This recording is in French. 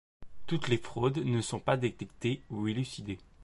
Toutes les fraudes ne sont pas détectées ou élucidées.